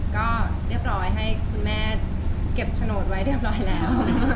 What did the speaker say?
ก็เรียบร้อยให้คุณแม่เก็บโฉนดไว้เรียบร้อยแล้ว